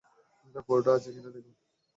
পুরোটা আছে কি-না দেখো।